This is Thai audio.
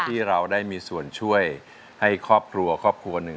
ที่เราได้มีส่วนช่วยให้ครอบครัวครอบครัวหนึ่ง